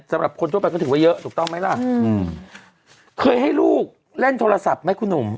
สำหรับคนทั่วไปก็ถือว่าเยอะถูกต้องไหมล่ะอืมเคยให้ลูกเล่นโทรศัพท์ไหมคุณหนุ่ม